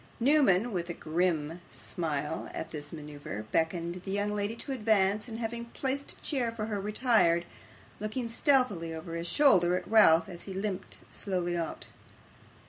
Newman, with a grim smile at this manoeuvre, beckoned the young lady to advance, and having placed a chair for her, retired; looking stealthily over his shoulder at Ralph as he limped slowly out.